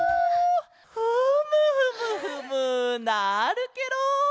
フムフムフムなるケロ！